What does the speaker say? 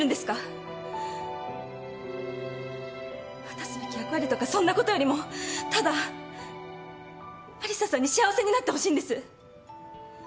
果たすべき役割とかそんなことよりもただ有沙さんに幸せになってほしいんです。